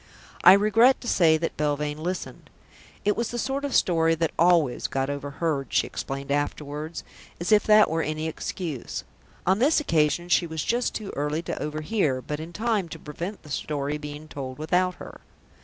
I regret to say that Belvane listened. It was the sort of story that always got overheard, she explained afterwards, as if that were any excuse. On this occasion she was just too early to overhear, but in time to prevent the story being told without her.